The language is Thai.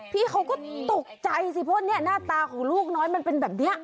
พี่เขาก็ตกใจสิพ่อหน้าตาลูกน้อยมันเป็นแบบนี้